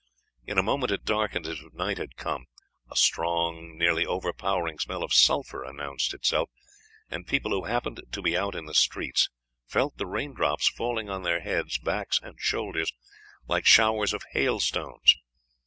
In a moment it darkened, as if night had come; a strong, nearly overpowering smell of sulphur announced itself; and people who happened to be out in the streets felt the rain drops falling on their heads, backs, and shoulders like showers of hailstones.